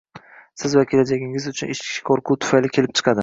siz va kelajagingiz uchun ichki qo‘rquv tufayi kelib chiqadi.